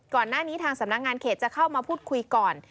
ก่อนหน้านี้ทางสำนักงานเขตจะเข้ามาพูดคุยก่อน